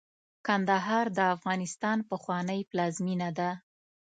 کندهار د افغانستان پخوانۍ پلازمېنه ده.